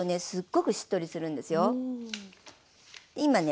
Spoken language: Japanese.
すっごくしっとりするんですよ。ふん。